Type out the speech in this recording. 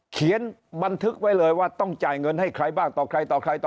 เขียนบันทึกไว้เลยว่าต้องจ่ายเงินให้ใครบ้างต่อใครต่อใครต่อ